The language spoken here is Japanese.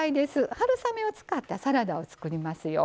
春雨を使ったサラダを作りますよ。